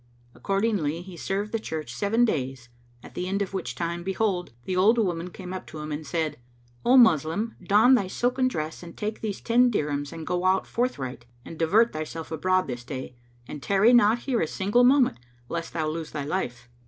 Accordingly, he served the church seven days, at the end of which time behold, the old woman came up to him and said, "O Moslem, don thy silken dress and take these ten dirhams and go out forthright and divert thyself abroad this day, and tarry not here a single moment, lest thou lose thy life."